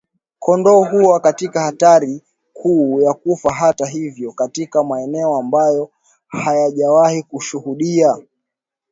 kondoo huwa katika hatari kuu ya kufa Hata hivyo katika maeneo ambayo hayajawahi kushuhudia